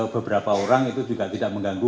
beberapa orang itu juga tidak mengganggu